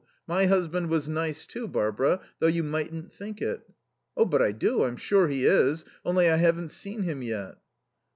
My husband was nice, too, Barbara; though you mightn't think it." "Oh, but I do. I'm sure he is. Only I haven't seen him yet."